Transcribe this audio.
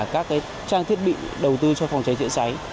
các trang thiết bị đầu tư cho phòng cháy chữa cháy